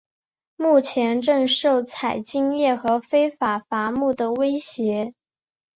目前正受采金业和非法伐木的威胁。